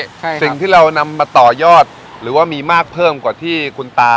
ใช่สิ่งที่เรานำมาต่อยอดหรือว่ามีมากเพิ่มกว่าที่คุณตา